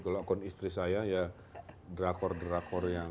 kalau akun istri saya ya drakor drakor yang